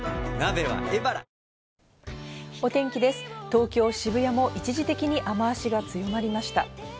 東京・渋谷も一時的に雨脚が強まりました。